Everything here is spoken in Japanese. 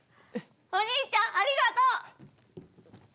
おにいちゃんありがとう！